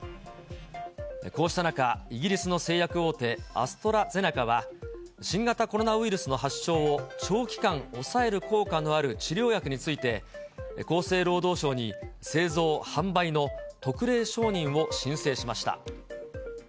こうした中、イギリスの製薬大手、アストラゼネカは、新型コロナウイルスの発症を長期間抑える効果のある治療薬について、厚生労働省に製造・販売の特例承認を申請しました。